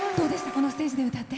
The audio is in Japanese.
このステージで歌って。